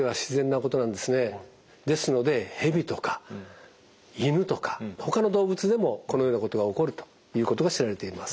ですので蛇とか犬とかほかの動物でもこのようなことが起こるということが知られています。